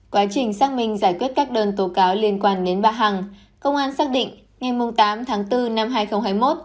quá trình xác minh giải quyết các đơn tố cáo liên quan đến bà hằng công an xác định ngày tám tháng bốn năm hai nghìn hai mươi một